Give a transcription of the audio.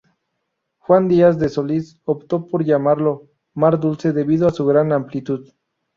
Juan Días de Solís optó por llamarlo Mar Dulce debido a su gran amplitud.